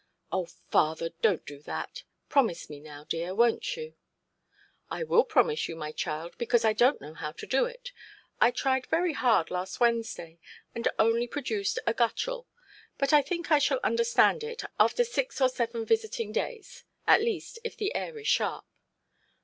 "Oh, father, donʼt do that. Promise me now, dear, wonʼt you"? "I will promise you, my child, because I donʼt know how to do it. I tried very hard last Wednesday, and only produced a guttural. But I think I shall understand it, after six or seven visiting days. At least, if the air is sharp".